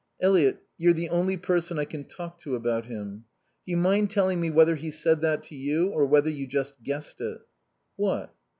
"Eliot you're the only person I can talk to about him. Do you mind telling me whether he said that to you, or whether you just guessed it." "What?"